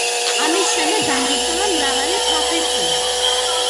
ომის შემდეგ გამოიცვალა მრავალი პროფესია.